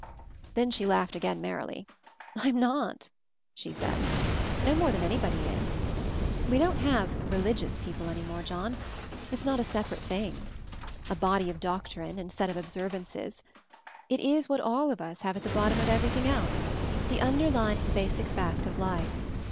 Then she laughed again merrily. "I'm not," she said. "No more than anybody is. We don't have 'religious' people any more, John. It's not a separate thing; a 'body of doctrine' and set of observances— it is what all of us have at the bottom of everything else, the underlying basic fact of life.